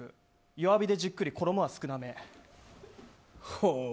弱火でじっくり衣は少な目。